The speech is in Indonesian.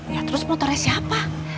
ya terus motornya siapa